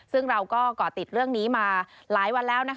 ซึ่งเราก็ก่อติดเรื่องนี้มาหลายวันแล้ว